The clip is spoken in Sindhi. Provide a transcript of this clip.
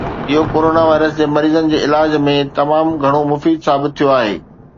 اهو ڪورونا وائرس جي مريضن جي علاج ۾ تمام گهڻو مفيد ثابت ٿيو آهي